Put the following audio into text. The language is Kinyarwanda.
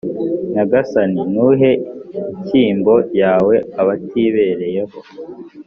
nyagasani, ntuhe inshyimbo yawe abatibereyeho